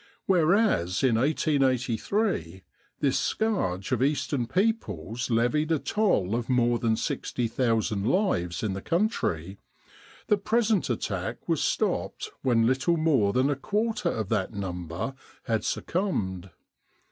Whereas in 1883 this scourge of Eastern peoples levied a toll of more than 60,000 lives in the country, the present attack was stopped when little more than a quarter of that number had suc cumbed.